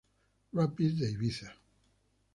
Rapid de Ibiza.